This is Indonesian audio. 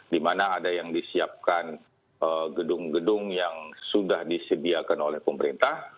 di mana ada yang disiapkan gedung gedung yang sudah disediakan oleh pemerintah